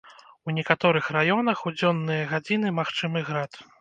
У некаторых раёнах у дзённыя гадзіны магчымы град.